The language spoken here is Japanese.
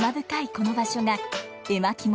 この場所が絵巻物